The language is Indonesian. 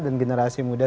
dan generasi muda